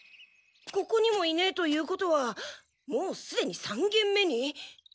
ここにもいねえということはもうすでに３げん目に？